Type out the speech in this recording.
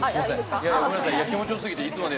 いやいやごめんなさい